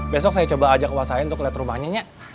besok saya coba ajak wa sain keliat rumahnya nya